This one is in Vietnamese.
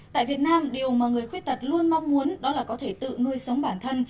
tại việt nam điều mà người khuyết tật luôn mong muốn đó là có thể tự nuôi sống bản thân